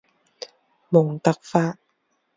蒙特法。